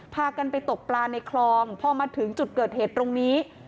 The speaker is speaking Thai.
พากันไปตกปลาในคลองพอมาถึงจุดเกิดเหตุตรงนี้